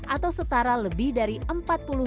atau setara lebih dari dua delapan miliar dolar amerika